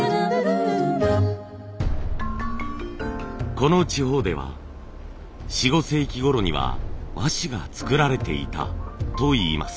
この地方では４５世紀ごろには和紙が作られていたといいます。